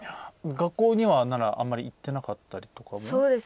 学校にはあんまり行ってなかったりとか？